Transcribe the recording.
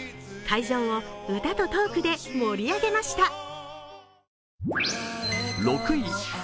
会場を歌とトークで盛り上げました。